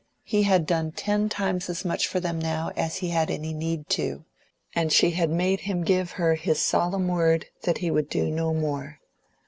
He had done ten times as much for them now as he had any need to, and she had made him give her his solemn word that he would do no more.